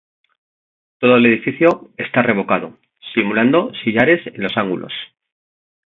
Todo el edificio está revocado, simulando sillares en los ángulos.